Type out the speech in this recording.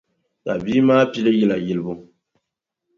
Ka bia maa pili yila yilibu.